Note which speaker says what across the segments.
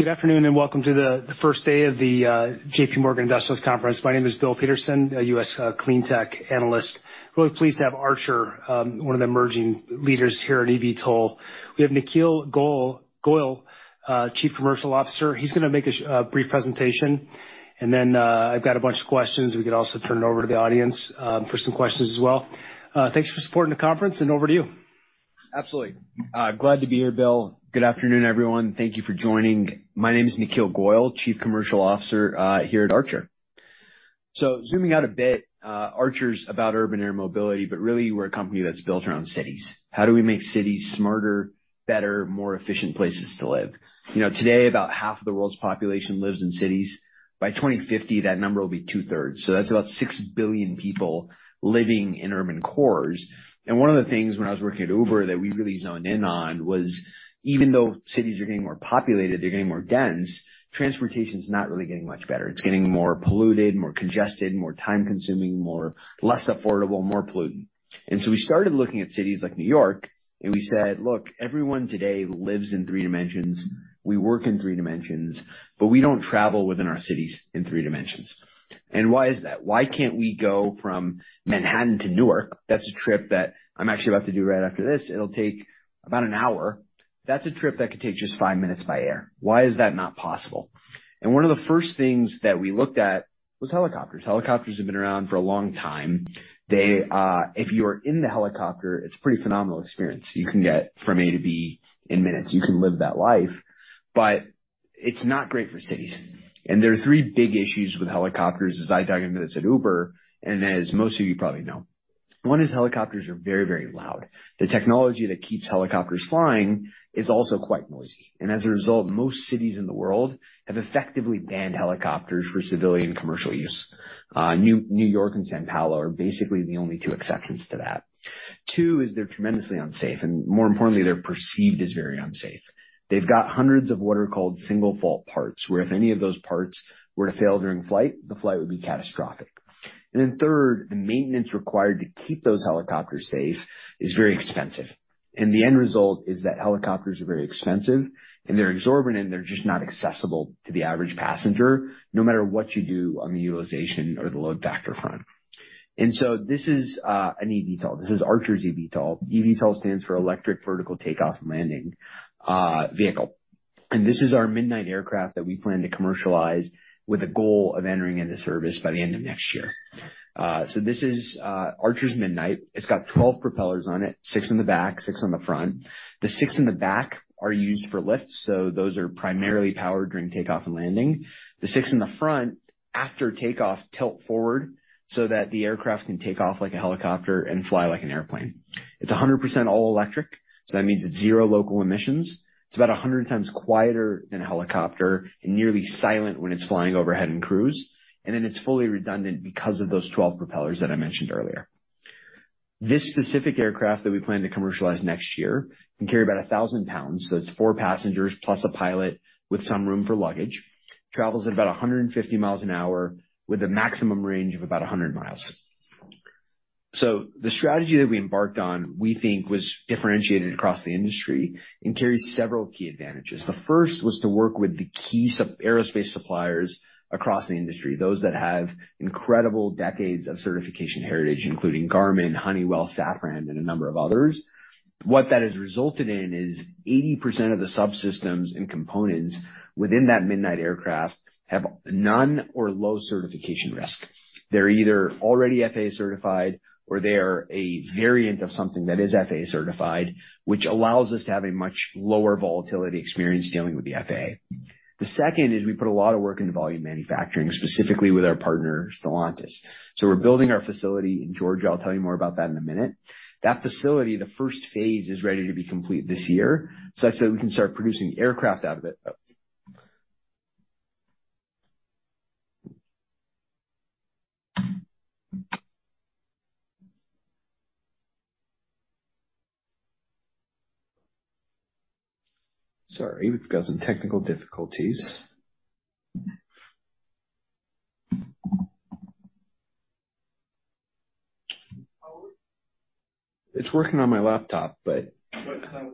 Speaker 1: Good afternoon and welcome to the first day of the J.P. Morgan Investors Conference. My name is Bill Peterson, a U.S. cleantech analyst. Really pleased to have Archer, one of the emerging leaders here at eVTOL. We have Nikhil Goel, Chief Commercial Officer. He's going to make a brief presentation, and then I've got a bunch of questions. We could also turn it over to the audience for some questions as well. Thanks for supporting the conference, and over to you.
Speaker 2: Absolutely. Glad to be here, Bill. Good afternoon, everyone. Thank you for joining. My name is Nikhil Goel, Chief Commercial Officer here at Archer. So zooming out a bit, Archer's about urban air mobility, but really we're a company that's built around cities. How do we make cities smarter, better, more efficient places to live? Today, about half of the world's population lives in cities. By 2050, that number will be two-thirds. So that's about 6 billion people living in urban cores. And one of the things when I was working at Uber that we really zoned in on was, even though cities are getting more populated, they're getting more dense, transportation's not really getting much better. It's getting more polluted, more congested, more time-consuming, less affordable, more pollutant. And so we started looking at cities like New York, and we said, "Look, everyone today lives in three dimensions. We work in 3 dimensions, but we don't travel within our cities in 3 dimensions." Why is that? Why can't we go from Manhattan to Newark? That's a trip that I'm actually about to do right after this. It'll take about an hour. That's a trip that could take just 5 minutes by air. Why is that not possible? One of the first things that we looked at was helicopters. Helicopters have been around for a long time. If you are in the helicopter, it's a pretty phenomenal experience. You can get from A to B in minutes. You can live that life. But it's not great for cities. There are 3 big issues with helicopters, as I dug into this at Uber, and as most of you probably know. One is helicopters are very, very loud. The technology that keeps helicopters flying is also quite noisy. As a result, most cities in the world have effectively banned helicopters for civilian commercial use. New York and São Paulo are basically the only two exceptions to that. Two is they're tremendously unsafe, and more importantly, they're perceived as very unsafe. They've got hundreds of what are called single-fault parts, where if any of those parts were to fail during flight, the flight would be catastrophic. And then third, the maintenance required to keep those helicopters safe is very expensive. And the end result is that helicopters are very expensive, and they're exorbitant, and they're just not accessible to the average passenger, no matter what you do on the utilization or the load factor front. And so this is an eVTOL. This is Archer's eVTOL. eVTOL stands for Electric Vertical Takeoff and Landing Vehicle. This is our Midnight aircraft that we plan to commercialize with a goal of entering into service by the end of next year. So this is Archer's Midnight. It's got 12 propellers on it, 6 in the back, 6 on the front. The 6 in the back are used for lifts, so those are primarily powered during takeoff and landing. The 6 in the front, after takeoff, tilt forward so that the aircraft can take off like a helicopter and fly like an airplane. It's 100% all electric, so that means it's zero local emissions. It's about 100 times quieter than a helicopter and nearly silent when it's flying overhead and cruise. And then it's fully redundant because of those 12 propellers that I mentioned earlier. This specific aircraft that we plan to commercialize next year can carry about 1,000 pounds, so it's four passengers plus a pilot with some room for luggage, travels at about 150 miles an hour with a maximum range of about 100 miles. So the strategy that we embarked on, we think, was differentiated across the industry and carries several key advantages. The first was to work with the key aerospace suppliers across the industry, those that have incredible decades of certification heritage, including Garmin, Honeywell, Safran, and a number of others. What that has resulted in is 80% of the subsystems and components within that Midnight aircraft have none or low certification risk. They're either already FAA-certified or they're a variant of something that is FAA-certified, which allows us to have a much lower volatility experience dealing with the FAA. The second is we put a lot of work into volume manufacturing, specifically with our partner, Stellantis. So we're building our facility in Georgia. I'll tell you more about that in a minute. That facility, the first phase, is ready to be complete this year such that we can start producing aircraft out of it. Sorry, we've got some technical difficulties.
Speaker 1: Power?
Speaker 2: It's working on my laptop, but.
Speaker 1: What is that working on?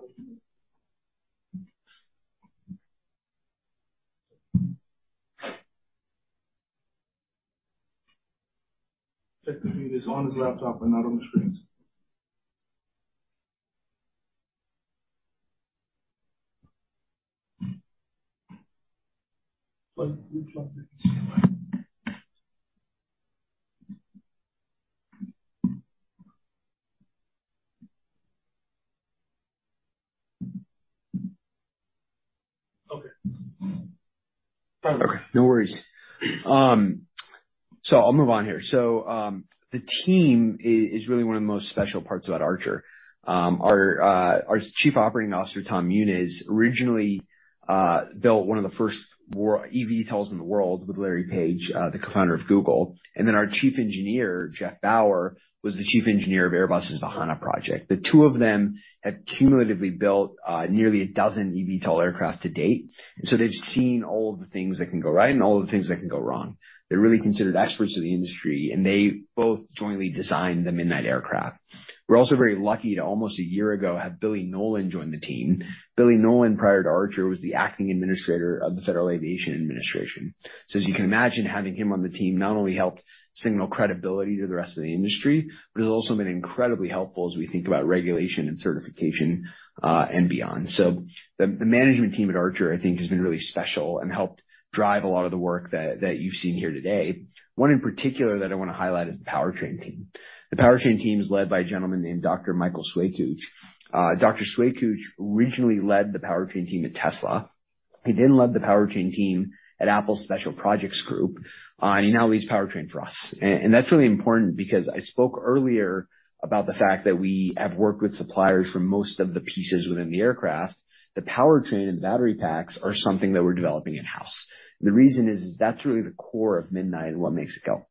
Speaker 1: Technically, it is on his laptop and not on the screens. Plug, replug, make it stand right. Okay.
Speaker 2: Okay. No worries. So I'll move on here. So the team is really one of the most special parts about Archer. Our Chief Operating Officer, Tom Muniz, originally built one of the first eVTOLs in the world with Larry Page, the co-founder of Google. And then our Chief Engineer, Geoff Bower, was the Chief Engineer of Airbus's Vahana project. The two of them have cumulatively built nearly a dozen eVTOL aircraft to date. And so they've seen all of the things that can go right and all of the things that can go wrong. They're really considered experts of the industry, and they both jointly designed the Midnight aircraft. We're also very lucky to, almost a year ago, have Billy Nolen join the team. Billy Nolen, prior to Archer, was the acting administrator of the Federal Aviation Administration. As you can imagine, having him on the team not only helped signal credibility to the rest of the industry, but has also been incredibly helpful as we think about regulation and certification and beyond. The management team at Archer, I think, has been really special and helped drive a lot of the work that you've seen here today. One in particular that I want to highlight is the powertrain team. The powertrain team is led by a gentleman named Dr. Michael Schwekutsch. Dr. Schwekutsch originally led the powertrain team at Tesla. He then led the powertrain team at Apple's Special Projects Group, and he now leads powertrain for us. That's really important because I spoke earlier about the fact that we have worked with suppliers for most of the pieces within the aircraft. The powertrain and the battery packs are something that we're developing in-house. The reason is that's really the core of Midnight and what makes it go.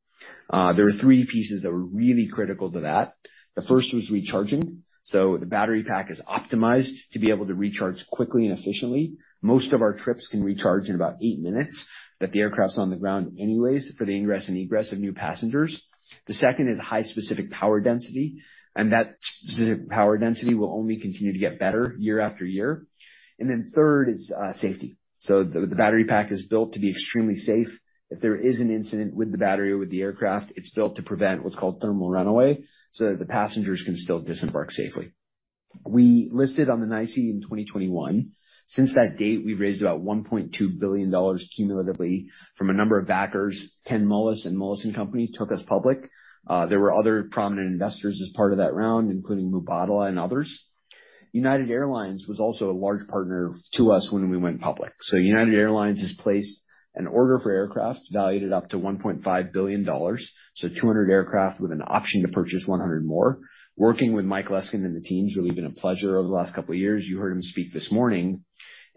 Speaker 2: There were three pieces that were really critical to that. The first was recharging. So the battery pack is optimized to be able to recharge quickly and efficiently. Most of our trips can recharge in about 8 minutes that the aircraft's on the ground anyways for the ingress and egress of new passengers. The second is high-specific power density, and that specific power density will only continue to get better year after year. And then third is safety. So the battery pack is built to be extremely safe. If there is an incident with the battery or with the aircraft, it's built to prevent what's called thermal runaway so that the passengers can still disembark safely. We listed on the NYSE in 2021. Since that date, we've raised about $1.2 billion cumulatively from a number of backers. Ken Moelis and Moelis & Company took us public. There were other prominent investors as part of that round, including Mubadala and others. United Airlines was also a large partner to us when we went public. So United Airlines has placed an order for aircraft valued at up to $1.5 billion, so 200 aircraft with an option to purchase 100 more. Working with Mike Leskinen and the team's really been a pleasure over the last couple of years. You heard him speak this morning.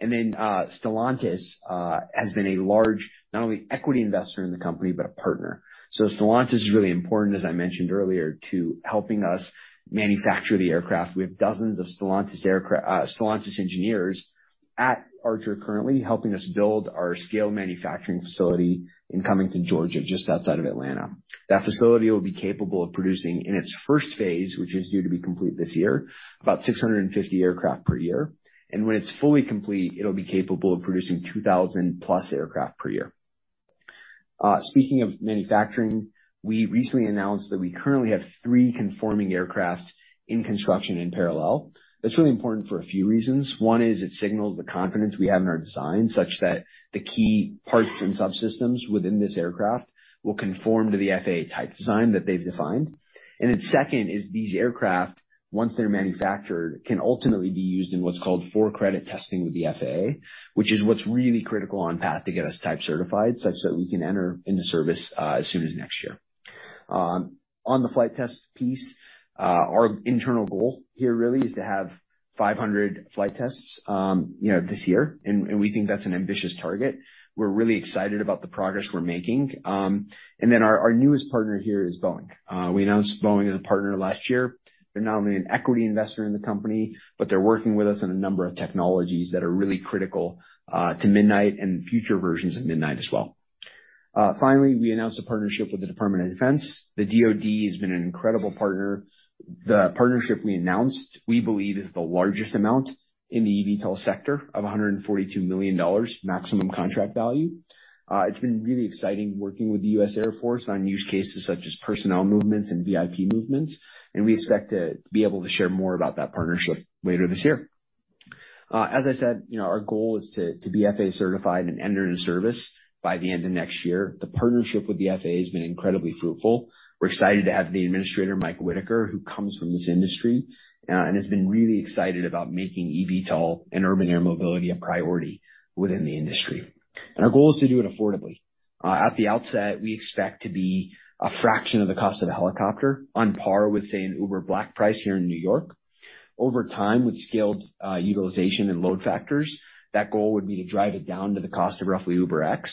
Speaker 2: And then Stellantis has been a large not only equity investor in the company but a partner. So Stellantis is really important, as I mentioned earlier, to helping us manufacture the aircraft. We have dozens of Stellantis engineers at Archer currently helping us build our scale manufacturing facility in Covington, Georgia, just outside of Atlanta. That facility will be capable of producing, in its first phase, which is due to be complete this year, about 650 aircraft per year. And when it's fully complete, it'll be capable of producing 2,000+ aircraft per year. Speaking of manufacturing, we recently announced that we currently have three conforming aircraft in construction in parallel. That's really important for a few reasons. One is it signals the confidence we have in our design such that the key parts and subsystems within this aircraft will conform to the FAA type design that they've defined. Then second is these aircraft, once they're manufactured, can ultimately be used in what's called for-credit testing with the FAA, which is what's really critical on path to get us type certified such that we can enter into service as soon as next year. On the flight test piece, our internal goal here really is to have 500 flight tests this year, and we think that's an ambitious target. We're really excited about the progress we're making. Our newest partner here is Boeing. We announced Boeing as a partner last year. They're not only an equity investor in the company, but they're working with us on a number of technologies that are really critical to Midnight and future versions of Midnight as well. Finally, we announced a partnership with the Department of Defense. The DOD has been an incredible partner. The partnership we announced, we believe, is the largest amount in the eVTOL sector of $142 million maximum contract value. It's been really exciting working with the U.S. Air Force on use cases such as personnel movements and VIP movements, and we expect to be able to share more about that partnership later this year. As I said, our goal is to be FAA-certified and enter into service by the end of next year. The partnership with the FAA has been incredibly fruitful. We're excited to have the administrator, Mike Whitaker, who comes from this industry and has been really excited about making eVTOL and urban air mobility a priority within the industry. Our goal is to do it affordably. At the outset, we expect to be a fraction of the cost of a helicopter, on par with, say, an Uber Black price here in New York. Over time, with scaled utilization and load factors, that goal would be to drive it down to the cost of roughly UberX.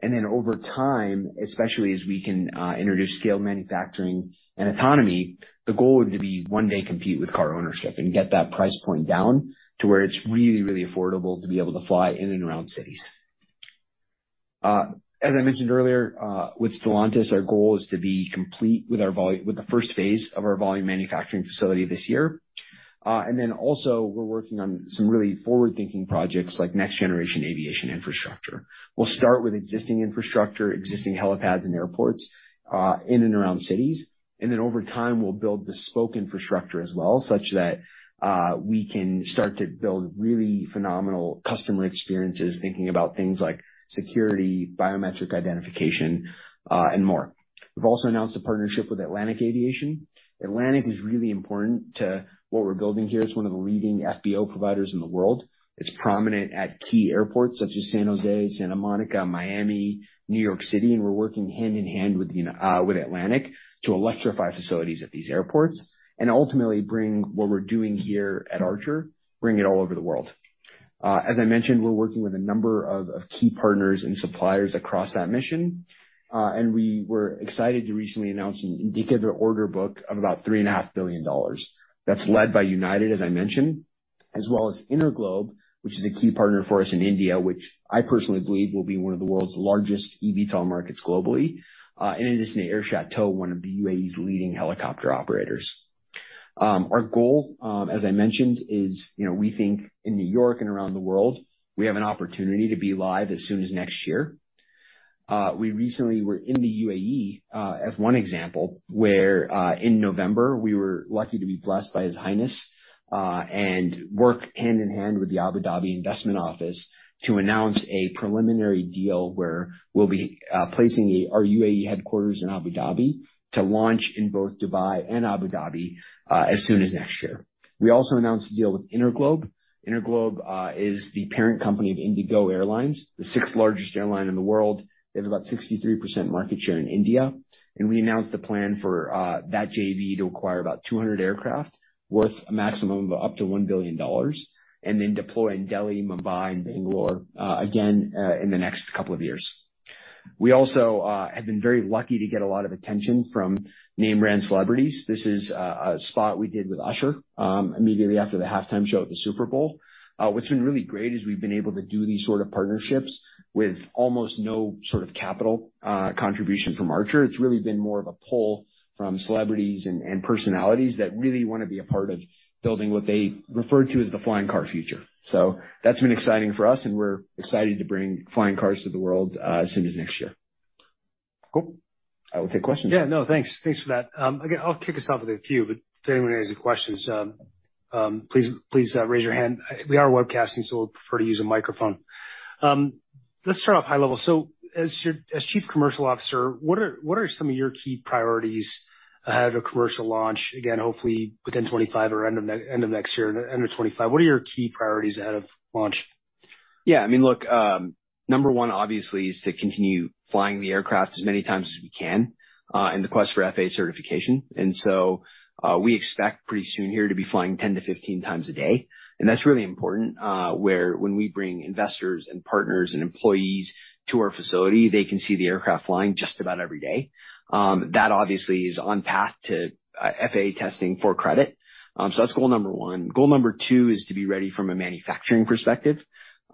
Speaker 2: And then over time, especially as we can introduce scale manufacturing and autonomy, the goal would be to one day compete with car ownership and get that price point down to where it's really, really affordable to be able to fly in and around cities. As I mentioned earlier, with Stellantis, our goal is to be complete with the first phase of our volume manufacturing facility this year. And then also, we're working on some really forward-thinking projects like next-generation aviation infrastructure. We'll start with existing infrastructure, existing helipads and airports in and around cities. And then over time, we'll build bespoke infrastructure as well such that we can start to build really phenomenal customer experiences, thinking about things like security, biometric identification, and more. We've also announced a partnership with Atlantic Aviation. Atlantic is really important to what we're building here. It's one of the leading FBO providers in the world. It's prominent at key airports such as San Jose, Santa Monica, Miami, New York City. We're working hand in hand with Atlantic to electrify facilities at these airports and ultimately bring what we're doing here at Archer, bring it all over the world. As I mentioned, we're working with a number of key partners and suppliers across that mission. We were excited to recently announce an indicative order book of about $3.5 billion. That's led by United, as I mentioned, as well as InterGlobe, which is a key partner for us in India, which I personally believe will be one of the world's largest eVTOL markets globally. It is Air Chateau, one of the UAE's leading helicopter operators. Our goal, as I mentioned, is we think in New York and around the world, we have an opportunity to be live as soon as next year. We recently were in the UAE, as one example, where in November, we were lucky to be blessed by His Highness and work hand in hand with the Abu Dhabi Investment Office to announce a preliminary deal where we'll be placing our UAE headquarters in Abu Dhabi to launch in both Dubai and Abu Dhabi as soon as next year. We also announced a deal with InterGlobe. InterGlobe is the parent company of IndiGo Airlines, the sixth-largest airline in the world. They have about 63% market share in India. And we announced a plan for that JV to acquire about 200 aircraft worth a maximum of up to $1 billion and then deploy in Delhi, Mumbai, and Bangalore, again in the next couple of years. We also have been very lucky to get a lot of attention from name-brand celebrities. This is a spot we did with Usher immediately after the halftime show at the Super Bowl. What's been really great is we've been able to do these sort of partnerships with almost no sort of capital contribution from Archer. It's really been more of a pull from celebrities and personalities that really want to be a part of building what they refer to as the flying car future. So that's been exciting for us, and we're excited to bring flying cars to the world as soon as next year. Cool. I will take questions.
Speaker 1: Yeah. No, thanks. Thanks for that. Again, I'll kick us off with a few, but if anybody has any questions, please raise your hand. We are webcasting, so we'll prefer to use a microphone. Let's start off high level. So as Chief Commercial Officer, what are some of your key priorities ahead of a commercial launch? Again, hopefully within 2025 or end of next year, end of 2025. What are your key priorities ahead of launch?
Speaker 2: Yeah. I mean, look, number one, obviously, is to continue flying the aircraft as many times as we can in the quest for FAA certification. And so we expect pretty soon here to be flying 10-15 times a day. And that's really important, where when we bring investors and partners and employees to our facility, they can see the aircraft flying just about every day. That, obviously, is on path to FAA testing for credit. So that's goal number one. Goal number two is to be ready from a manufacturing perspective.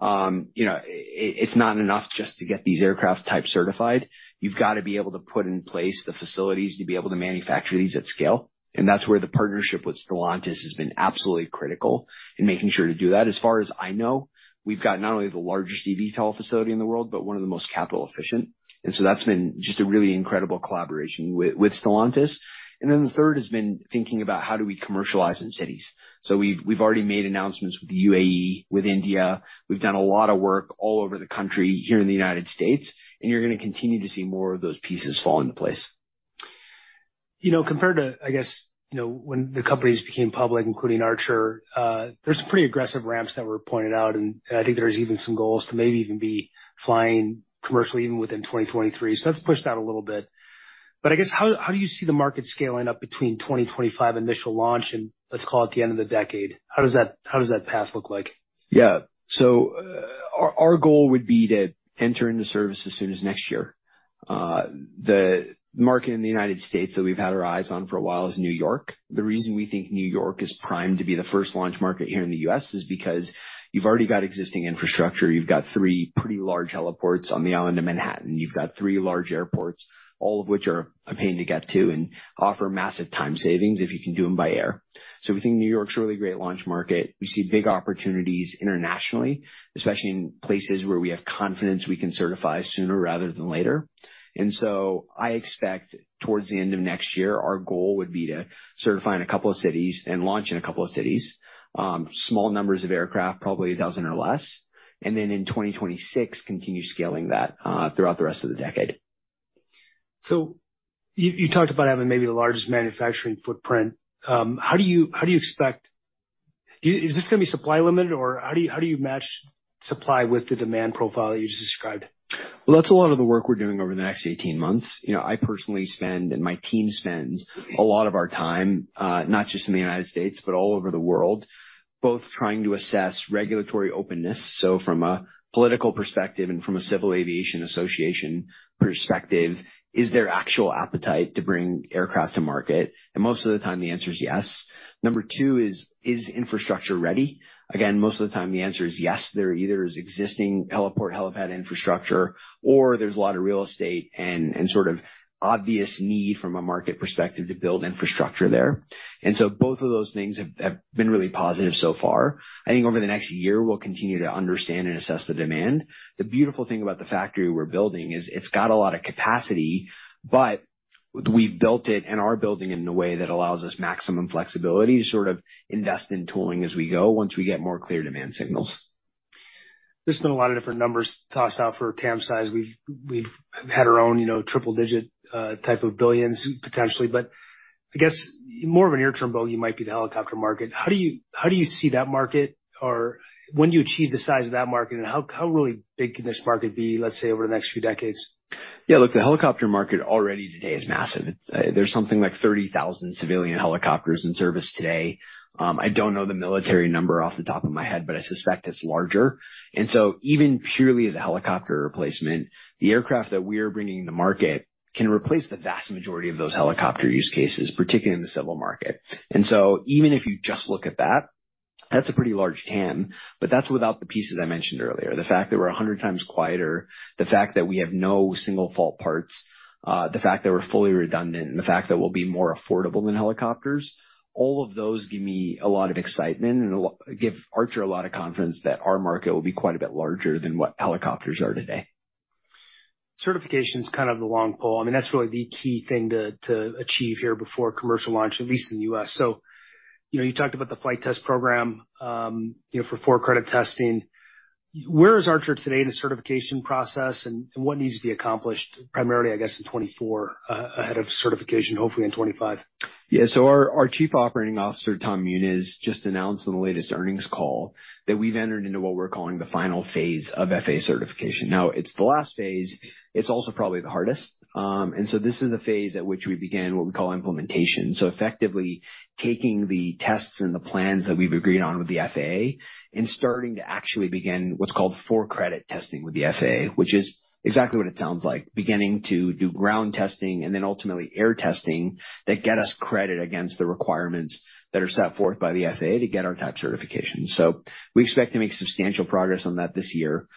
Speaker 2: It's not enough just to get these aircraft type certified. You've got to be able to put in place the facilities to be able to manufacture these at scale. And that's where the partnership with Stellantis has been absolutely critical in making sure to do that. As far as I know, we've got not only the largest eVTOL facility in the world but one of the most capital-efficient. And then the third has been thinking about how do we commercialize in cities. So we've already made announcements with the UAE, with India. We've done a lot of work all over the country here in the United States, and you're going to continue to see more of those pieces fall into place.
Speaker 1: Compared to, I guess, when the companies became public, including Archer, there's some pretty aggressive ramps that were pointed out. And I think there's even some goals to maybe even be flying commercially even within 2023. So that's pushed out a little bit. But I guess, how do you see the market scaling up between 2025 initial launch and, let's call it, the end of the decade? How does that path look like?
Speaker 2: Yeah. So our goal would be to enter into service as soon as next year. The market in the United States that we've had our eyes on for a while is New York. The reason we think New York is primed to be the first launch market here in the U.S. is because you've already got existing infrastructure. You've got three pretty large heliports on the island of Manhattan. You've got three large airports, all of which are a pain to get to and offer massive time savings if you can do them by air. So we think New York's a really great launch market. We see big opportunities internationally, especially in places where we have confidence we can certify sooner rather than later. I expect toward the end of next year, our goal would be to certify in a couple of cities and launch in a couple of cities, small numbers of aircraft, probably a dozen or less, and then in 2026, continue scaling that throughout the rest of the decade.
Speaker 1: So you talked about having maybe the largest manufacturing footprint. How do you expect is this going to be supply-limited, or how do you match supply with the demand profile that you just described?
Speaker 2: Well, that's a lot of the work we're doing over the next 18 months. I personally spend and my team spends a lot of our time, not just in the United States but all over the world, both trying to assess regulatory openness. So from a political perspective and from a Civil Aviation Association perspective, is there actual appetite to bring aircraft to market? And most of the time, the answer is yes. Number two is, is infrastructure ready? Again, most of the time, the answer is yes. There either is existing heliport, helipad infrastructure, or there's a lot of real estate and sort of obvious need from a market perspective to build infrastructure there. And so both of those things have been really positive so far. I think over the next year, we'll continue to understand and assess the demand. The beautiful thing about the factory we're building is it's got a lot of capacity, but we've built it and are building it in a way that allows us maximum flexibility to sort of invest in tooling as we go once we get more clear demand signals.
Speaker 1: There's been a lot of different numbers tossed out for TAM size. We've had our own triple-digit type of billions, potentially. But I guess more of a year-on-year bogey might be the helicopter market. How do you see that market, or when do you achieve the size of that market, and how really big can this market be, let's say, over the next few decades?
Speaker 2: Yeah. Look, the helicopter market already today is massive. There's something like 30,000 civilian helicopters in service today. I don't know the military number off the top of my head, but I suspect it's larger. And so even purely as a helicopter replacement, the aircraft that we are bringing to market can replace the vast majority of those helicopter use cases, particularly in the civil market. And so even if you just look at that, that's a pretty large TAM, but that's without the pieces I mentioned earlier, the fact that we're 100 times quieter, the fact that we have no single-fault parts, the fact that we're fully redundant, and the fact that we'll be more affordable than helicopters. All of those give me a lot of excitement and give Archer a lot of confidence that our market will be quite a bit larger than what helicopters are today.
Speaker 1: Certification's kind of the long pole. I mean, that's really the key thing to achieve here before commercial launch, at least in the U.S. So you talked about the flight test program for for-credit testing. Where is Archer today in the certification process, and what needs to be accomplished primarily, I guess, in 2024 ahead of certification, hopefully in 2025?
Speaker 2: Yeah. So our Chief Operating Officer, Tom Muniz, just announced in the latest earnings call that we've entered into what we're calling the final phase of FAA certification. Now, it's the last phase. It's also probably the hardest. And so this is the phase at which we begin what we call implementation, so effectively taking the tests and the plans that we've agreed on with the FAA and starting to actually begin what's called for-credit testing with the FAA, which is exactly what it sounds like, beginning to do ground testing and then ultimately air testing that get us credit against the requirements that are set forth by the FAA to get our type certification. So we expect to make substantial progress on that this year.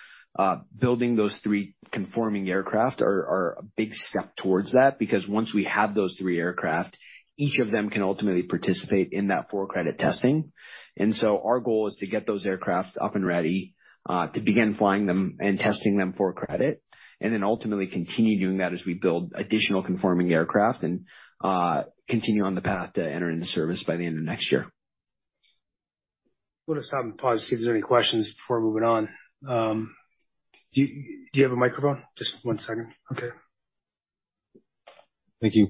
Speaker 2: Building those three conforming aircraft are a big step towards that because once we have those three aircraft, each of them can ultimately participate in that for-credit testing. And so our goal is to get those aircraft up and ready, to begin flying them and testing them for credit, and then ultimately continue doing that as we build additional conforming aircraft and continue on the path to enter into service by the end of next year.
Speaker 1: We'll just have some positives. If there's any questions before moving on, do you have a microphone? Just one second. Okay. Thank you.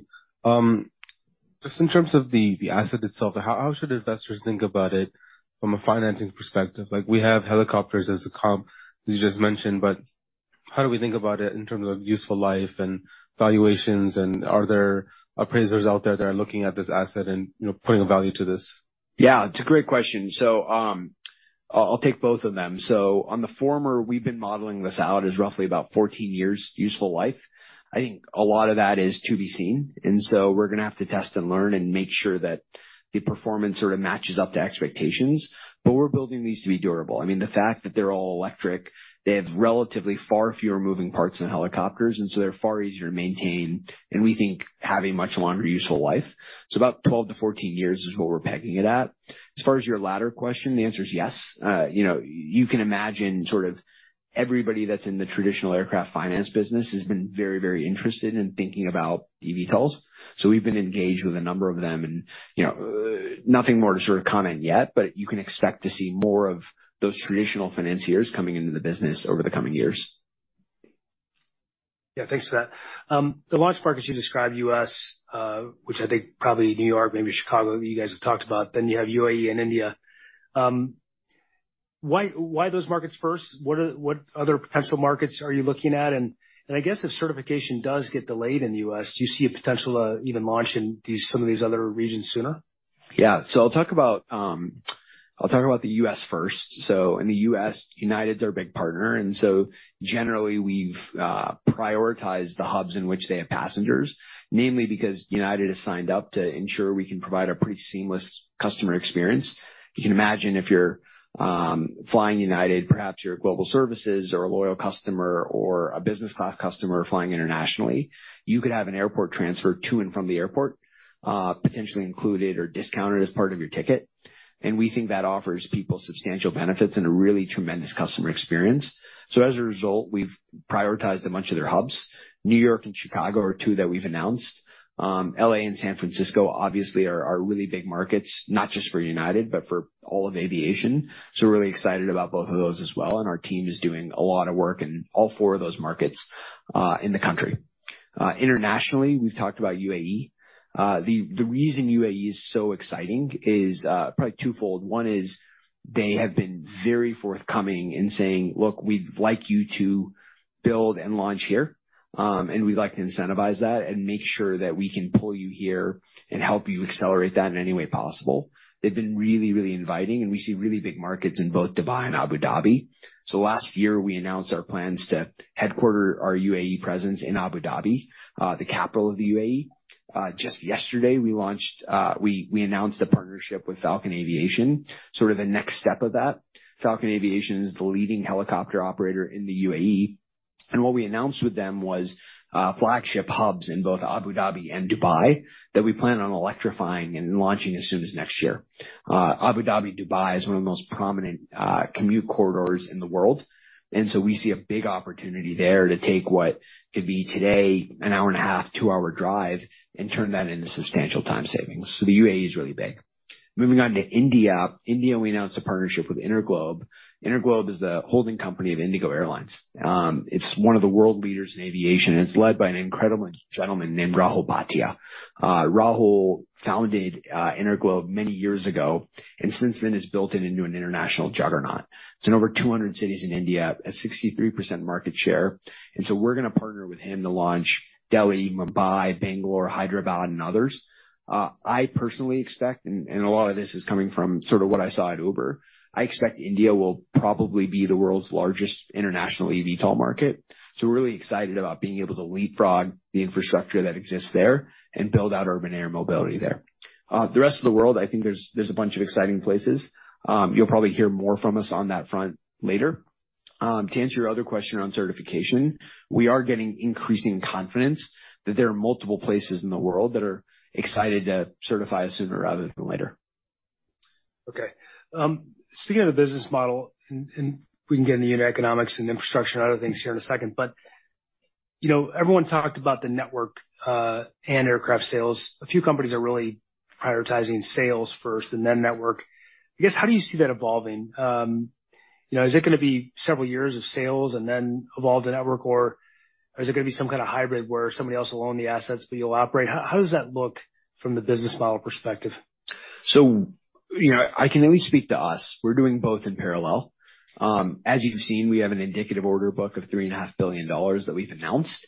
Speaker 1: Just in terms of the asset itself, how should investors think about it from a financing perspective? We have helicopters as a comp, as you just mentioned, but how do we think about it in terms of useful life and valuations? And are there appraisers out there that are looking at this asset and putting a value to this?
Speaker 2: Yeah. It's a great question. So I'll take both of them. So on the former, we've been modeling this out as roughly about 14 years useful life. I think a lot of that is to be seen. And so we're going to have to test and learn and make sure that the performance sort of matches up to expectations. But we're building these to be durable. I mean, the fact that they're all electric, they have relatively far fewer moving parts than helicopters, and so they're far easier to maintain, and we think have a much longer useful life. So about 12-14 years is what we're pegging it at. As far as your latter question, the answer is yes. You can imagine sort of everybody that's in the traditional aircraft finance business has been very, very interested in thinking about eVTOLs. So we've been engaged with a number of them, and nothing more to sort of comment yet, but you can expect to see more of those traditional financiers coming into the business over the coming years.
Speaker 1: Yeah. Thanks for that. The launch markets you described, U.S., which I think probably New York, maybe Chicago, that you guys have talked about, then you have UAE and India. Why those markets first? What other potential markets are you looking at? And I guess if certification does get delayed in the U.S., do you see a potential to even launch in some of these other regions sooner?
Speaker 2: Yeah. So I'll talk about the U.S. first. So in the U.S., United's our big partner. And so generally, we've prioritized the hubs in which they have passengers, namely because United has signed up to ensure we can provide a pretty seamless customer experience. You can imagine if you're flying United, perhaps you're a Global Services or a loyal customer or a business-class customer flying internationally, you could have an airport transfer to and from the airport potentially included or discounted as part of your ticket. And we think that offers people substantial benefits and a really tremendous customer experience. So as a result, we've prioritized a bunch of their hubs. New York and Chicago are two that we've announced. L.A. and San Francisco, obviously, are really big markets, not just for United but for all of aviation. So really excited about both of those as well. And our team is doing a lot of work in all four of those markets in the country. Internationally, we've talked about UAE. The reason UAE is so exciting is probably twofold. One is they have been very forthcoming in saying, "Look, we'd like you to build and launch here, and we'd like to incentivize that and make sure that we can pull you here and help you accelerate that in any way possible." They've been really, really inviting, and we see really big markets in both Dubai and Abu Dhabi. So last year, we announced our plans to headquarter our UAE presence in Abu Dhabi, the capital of the UAE. Just yesterday, we announced a partnership with Falcon Aviation, sort of the next step of that. Falcon Aviation is the leading helicopter operator in the UAE. What we announced with them was flagship hubs in both Abu Dhabi and Dubai that we plan on electrifying and launching as soon as next year. Abu Dhabi, Dubai, is one of the most prominent commute corridors in the world. So we see a big opportunity there to take what could be today an hour and a half, two-hour drive and turn that into substantial time savings. The UAE is really big. Moving on to India, we announced a partnership with InterGlobe. InterGlobe is the holding company of IndiGo Airlines. It's one of the world leaders in aviation, and it's led by an incredible gentleman named Rahul Bhatia. Rahul founded InterGlobe many years ago and since then has built it into an international juggernaut. It's in over 200 cities in India at 63% market share. We're going to partner with him to launch Delhi, Mumbai, Bangalore, Hyderabad, and others. I personally expect, and a lot of this is coming from sort of what I saw at Uber, I expect India will probably be the world's largest international eVTOL market. We're really excited about being able to leapfrog the infrastructure that exists there and build out urban air mobility there. The rest of the world, I think there's a bunch of exciting places. You'll probably hear more from us on that front later. To answer your other question around certification, we are getting increasing confidence that there are multiple places in the world that are excited to certify us sooner rather than later.
Speaker 1: Okay. Speaking of the business model, and we can get into unit economics and infrastructure and other things here in a second, but everyone talked about the network and aircraft sales. A few companies are really prioritizing sales first and then network. I guess, how do you see that evolving? Is it going to be several years of sales and then evolve to network, or is it going to be some kind of hybrid where somebody else will own the assets, but you'll operate? How does that look from the business model perspective?
Speaker 2: So I can at least speak to us. We're doing both in parallel. As you've seen, we have an indicative order book of $3.5 billion that we've announced.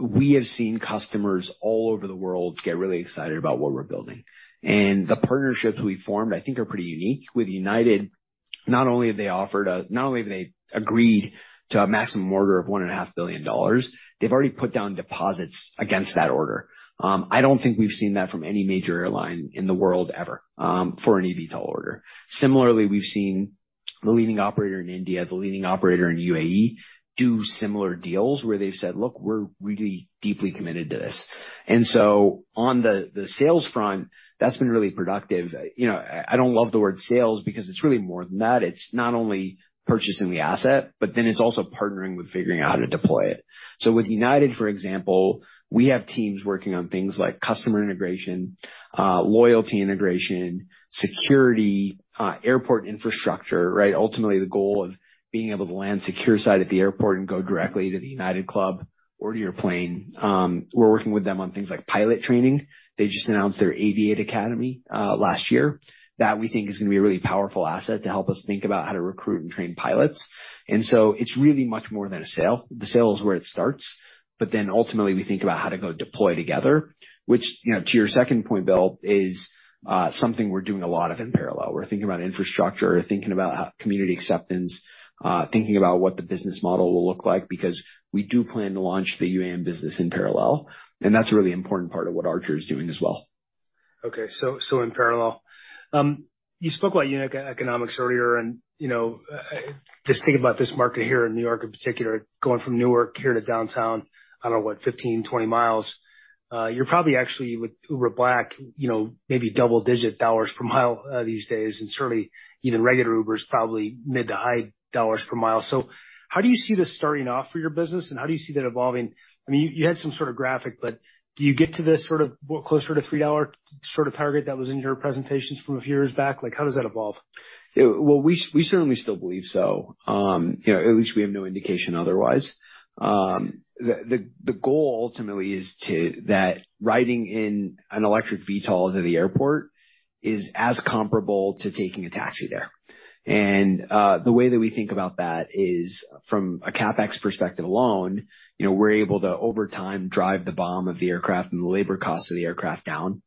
Speaker 2: We have seen customers all over the world get really excited about what we're building. The partnerships we formed, I think, are pretty unique. With United, not only have they agreed to a maximum order of $1.5 billion, they've already put down deposits against that order. I don't think we've seen that from any major airline in the world ever for an eVTOL order. Similarly, we've seen the leading operator in India, the leading operator in UAE, do similar deals where they've said, "Look, we're really deeply committed to this." So on the sales front, that's been really productive. I don't love the word sales because it's really more than that. It's not only purchasing the asset, but then it's also partnering with figuring out how to deploy it. So with United, for example, we have teams working on things like customer integration, loyalty integration, security, airport infrastructure, right? Ultimately, the goal of being able to land secure side at the airport and go directly to the United Club or to your plane. We're working with them on things like pilot training. They just announced their Aviate Academy last year. That we think is going to be a really powerful asset to help us think about how to recruit and train pilots. And so it's really much more than a sale. The sale is where it starts. But then ultimately, we think about how to go deploy together, which, to your second point, Bill, is something we're doing a lot of in parallel. We're thinking about infrastructure, thinking about community acceptance, thinking about what the business model will look like because we do plan to launch the UAM business in parallel. And that's a really important part of what Archer is doing as well.
Speaker 1: Okay. So in parallel, you spoke about unit economics earlier. And just thinking about this market here in New York in particular, going from Newark here to downtown, I don't know, what, 15-20 miles, you're probably actually, with Uber Black, maybe double-digit $ per mile these days, and certainly even regular Ubers probably mid- to high $ per mile. So how do you see this starting off for your business, and how do you see that evolving? I mean, you had some sort of graphic, but do you get to this sort of closer to $3 sort of target that was in your presentations from a few years back? How does that evolve?
Speaker 2: Well, we certainly still believe so. At least we have no indication otherwise. The goal ultimately is that riding in an electric VTOL to the airport is as comparable to taking a taxi there. The way that we think about that is, from a CapEx perspective alone, we're able to, over time, drive the BOM of the aircraft and the labor cost of the aircraft down.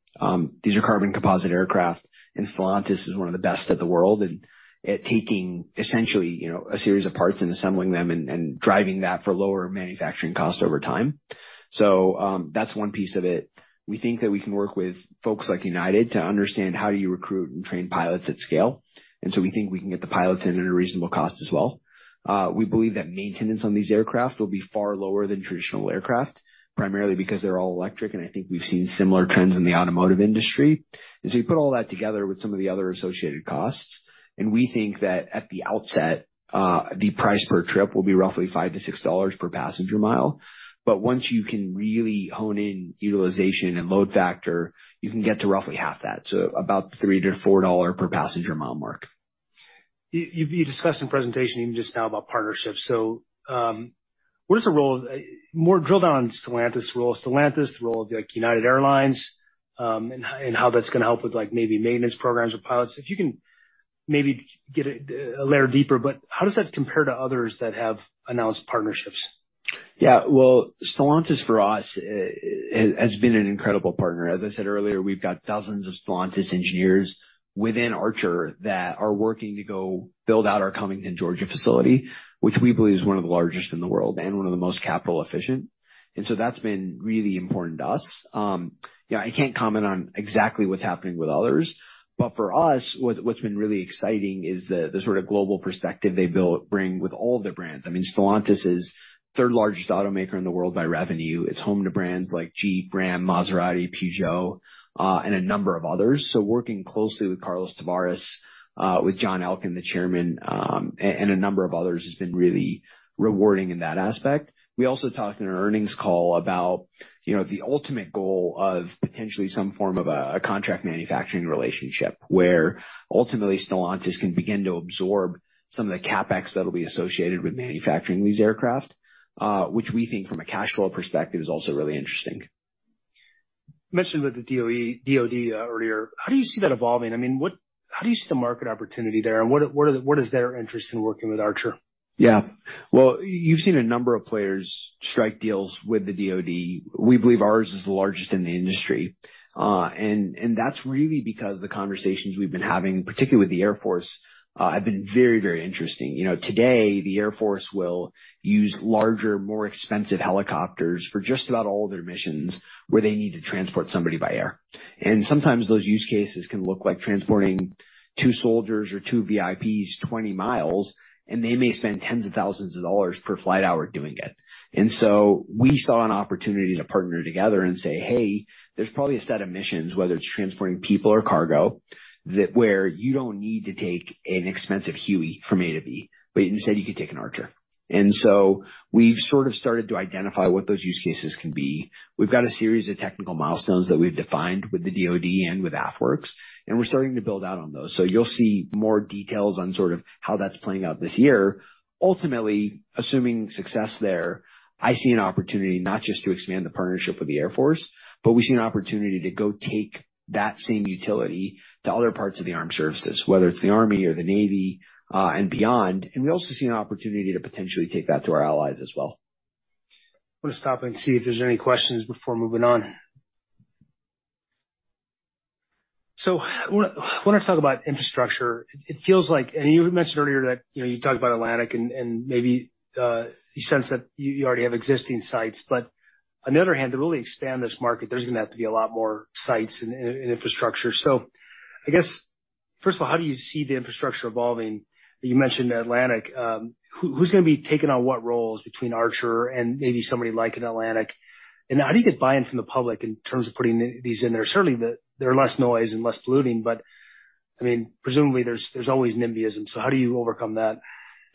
Speaker 2: These are carbon composite aircraft, and Stellantis is one of the best in the world at taking essentially a series of parts and assembling them and driving that for lower manufacturing cost over time. So that's one piece of it. We think that we can work with folks like United to understand how do you recruit and train pilots at scale. And so we think we can get the pilots in at a reasonable cost as well. We believe that maintenance on these aircraft will be far lower than traditional aircraft, primarily because they're all electric, and I think we've seen similar trends in the automotive industry. And so you put all that together with some of the other associated costs. And we think that at the outset, the price per trip will be roughly $5-$6 per passenger mile. But once you can really hone in utilization and load factor, you can get to roughly half that, so about the $3-$4 per passenger mile mark.
Speaker 1: You discussed in presentation even just now about partnerships. So what is the role of more drill down on Stellantis's role, Stellantis, the role of United Airlines, and how that's going to help with maybe maintenance programs for pilots? If you can maybe get a layer deeper, but how does that compare to others that have announced partnerships?
Speaker 2: Yeah. Well, Stellantis, for us, has been an incredible partner. As I said earlier, we've got dozens of Stellantis engineers within Archer that are working to go build out our Covington, Georgia facility, which we believe is one of the largest in the world and one of the most capital-efficient. And so that's been really important to us. I can't comment on exactly what's happening with others. But for us, what's been really exciting is the sort of global perspective they bring with all of their brands. I mean, Stellantis is third-largest automaker in the world by revenue. It's home to brands like Jeep, RAM, Maserati, Peugeot, and a number of others. So working closely with Carlos Tavares, with John Elkann, the chairman, and a number of others has been really rewarding in that aspect. We also talked in our earnings call about the ultimate goal of potentially some form of a contract manufacturing relationship where ultimately Stellantis can begin to absorb some of the CapEx that'll be associated with manufacturing these aircraft, which we think from a cash flow perspective is also really interesting.
Speaker 1: You mentioned with the DOD earlier. How do you see that evolving? I mean, how do you see the market opportunity there, and what is their interest in working with Archer?
Speaker 2: Yeah. Well, you've seen a number of players strike deals with the DOD. We believe ours is the largest in the industry. That's really because the conversations we've been having, particularly with the Air Force, have been very, very interesting. Today, the Air Force will use larger, more expensive helicopters for just about all their missions where they need to transport somebody by air. Sometimes those use cases can look like transporting two soldiers or two VIPs 20 miles, and they may spend tens of thousands of dollars per flight hour doing it. And so we saw an opportunity to partner together and say, "Hey, there's probably a set of missions, whether it's transporting people or cargo, where you don't need to take an expensive Huey from A to B, but instead, you could take an Archer." And so we've sort of started to identify what those use cases can be. We've got a series of technical milestones that we've defined with the DOD and with AFWERX, and we're starting to build out on those. So you'll see more details on sort of how that's playing out this year. Ultimately, assuming success there, I see an opportunity not just to expand the partnership with the Air Force, but we see an opportunity to go take that same utility to other parts of the armed services, whether it's the Army or the Navy and beyond. We also see an opportunity to potentially take that to our allies as well.
Speaker 1: I'm going to stop and see if there's any questions before moving on. I want to talk about infrastructure. It feels like and you mentioned earlier that you talked about Atlantic, and maybe you sense that you already have existing sites. But on the other hand, to really expand this market, there's going to have to be a lot more sites and infrastructure. So I guess, first of all, how do you see the infrastructure evolving? You mentioned Atlantic. Who's going to be taking on what roles between Archer and maybe somebody like an Atlantic? And how do you get buy-in from the public in terms of putting these in there? Certainly, there's less noise and less polluting, but I mean, presumably, there's always NIMBYism. So how do you overcome that?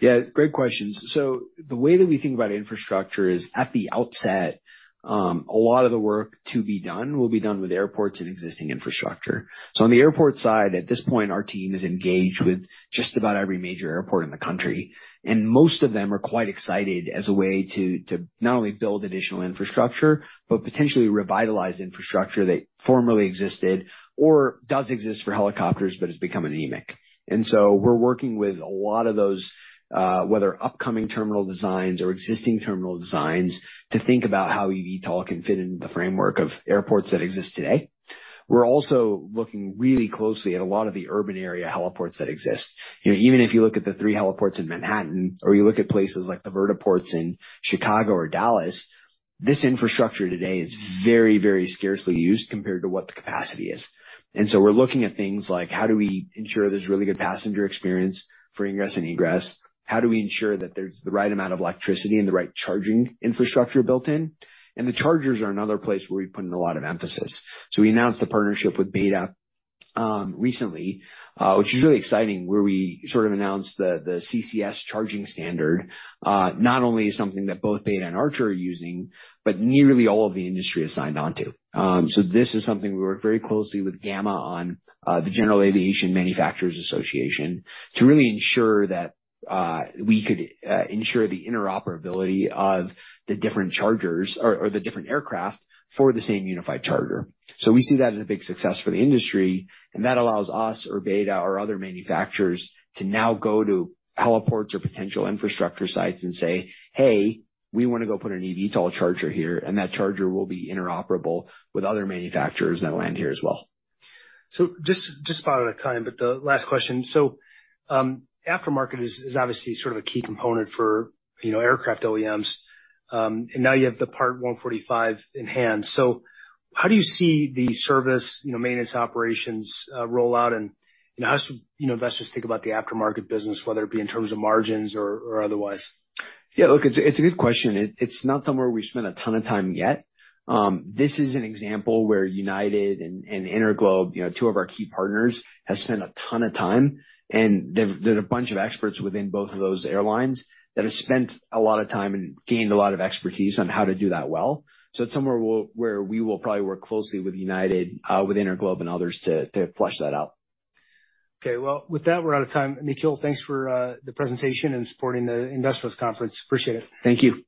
Speaker 2: Yeah. Great questions. So the way that we think about infrastructure is, at the outset, a lot of the work to be done will be done with airports and existing infrastructure. So on the airport side, at this point, our team is engaged with just about every major airport in the country. And most of them are quite excited as a way to not only build additional infrastructure but potentially revitalize infrastructure that formerly existed or does exist for helicopters but has become anemic. And so we're working with a lot of those, whether upcoming terminal designs or existing terminal designs, to think about how eVTOL can fit into the framework of airports that exist today. We're also looking really closely at a lot of the urban area heliports that exist. Even if you look at the three heliports in Manhattan or you look at places like the vertiports in Chicago or Dallas, this infrastructure today is very, very scarcely used compared to what the capacity is. And so we're looking at things like, how do we ensure there's really good passenger experience for ingress and egress? How do we ensure that there's the right amount of electricity and the right charging infrastructure built in? And the chargers are another place where we put in a lot of emphasis. So we announced a partnership with BETA recently, which is really exciting, where we sort of announced the CCS charging standard. Not only is something that both BETA and Archer are using, but nearly all of the industry has signed onto. So this is something we work very closely with GAMA on, the General Aviation Manufacturers Association, to really ensure that we could ensure the interoperability of the different chargers or the different aircraft for the same unified charger. So we see that as a big success for the industry. And that allows us or BETA or other manufacturers to now go to heliports or potential infrastructure sites and say, "Hey, we want to go put an eVTOL charger here, and that charger will be interoperable with other manufacturers that land here as well.
Speaker 1: So just about out of time, but the last question. So aftermarket is obviously sort of a key component for aircraft OEMs. And now you have the Part 145 in hand. So how do you see the service maintenance operations roll out? And how should investors think about the aftermarket business, whether it be in terms of margins or otherwise?
Speaker 2: Yeah. Look, it's a good question. It's not somewhere we've spent a ton of time yet. This is an example where United and InterGlobe, two of our key partners, have spent a ton of time. And there's a bunch of experts within both of those airlines that have spent a lot of time and gained a lot of expertise on how to do that well. So it's somewhere where we will probably work closely with United, with InterGlobe, and others to flush that out.
Speaker 1: Okay. Well, with that, we're out of time. Nikhil, thanks for the presentation and supporting the Industrials Conference. Appreciate it.
Speaker 2: Thank you.